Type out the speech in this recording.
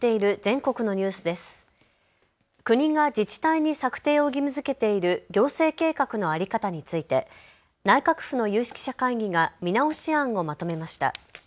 国が自治体に策定を義務づけている行政計画の在り方について内閣府の有識者会議が見直し案をまとめました。